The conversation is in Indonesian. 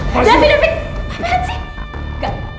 santi santi apaan sih